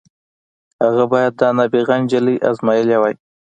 هغه بايد دا نابغه نجلۍ ازمايلې وای.